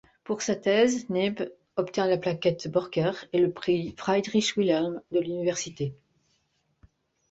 Pour sa thèse, Nebe obtient la plaquettte Borchers et le prix Friedrich-Wilhelm de l'université.